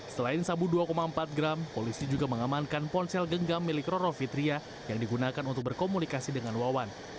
selain sabu dua empat gram polisi juga mengamankan ponsel genggam milik roro fitria yang digunakan untuk berkomunikasi dengan wawan